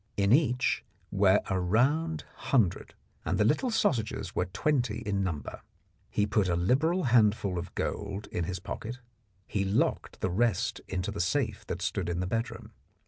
In each were a round hundred, and the little sausages were twenty in number. He put a liberal handful of gold in his pocket ; he locked the rest into the safe that stood in the bedroom.